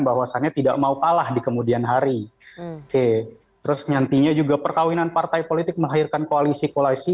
hari kemudian hari oke terus nyantinya juga perkawinan partai politik mengakhirkan koalisi koalisi